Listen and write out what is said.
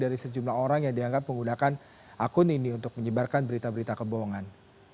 dari sejumlah orang yang dianggap menggunakan akun ini untuk menyebarkan berita berita kebohongan